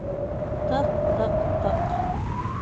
Тыҡ-тыҡ-тыҡ.